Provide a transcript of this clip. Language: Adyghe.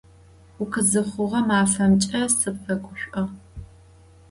Vukhızıxhuğe mafemç'e sıpfeguş'o!